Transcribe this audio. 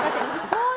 そう。